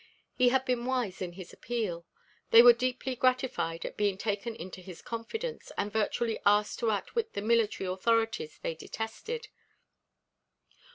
He had been wise in his appeal. They were deeply gratified at being taken into his confidence and virtually asked to outwit the military authorities they detested.